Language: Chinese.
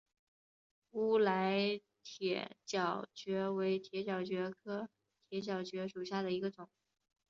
乌来铁角蕨为铁角蕨科铁角蕨属下的一个种。